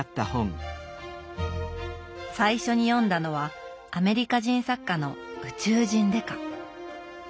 最初に読んだのはアメリカ人作家の「宇宙人デカ」。